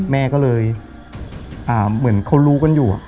แม่ก็เลยเหมือนเขารู้กันอยู่